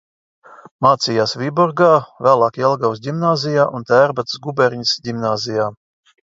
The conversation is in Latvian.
Mācījās Viborgā, vēlāk Jelgavas ģimnāzijā un Tērbatas guberņas ģimnāzijā.